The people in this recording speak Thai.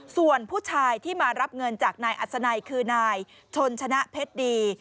ส่วนผู้ชายที่มารับเงินจากนายอัศนัยคือนายชนชนะเพชรดี